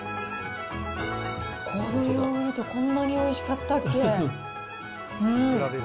このヨーグルト、こんなにおいしかったっけ？